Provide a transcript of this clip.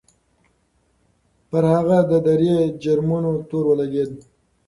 پر هغه د درې جرمونو تور ولګېد.